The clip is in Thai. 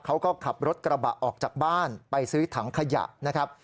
เขาก็ขับรถกระบะออกจากบ้านไปซื้อถังขยะนะครับ